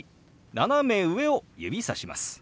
斜め上を指さします。